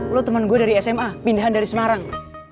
lo teman gue dari sma pindahan dari semarang